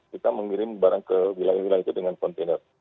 kita mengirim barang ke wilayah wilayah itu dengan kontainer